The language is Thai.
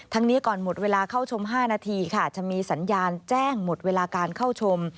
นี้ก่อนหมดเวลาเข้าชม๕นาทีค่ะจะมีสัญญาณแจ้งหมดเวลาการเข้าชม